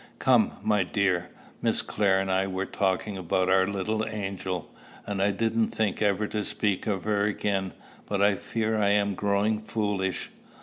"Come, my dear. Miss Clare and I were talking about our little angel. I didn't think ever to speak of her again, but I fear I am growing foolish.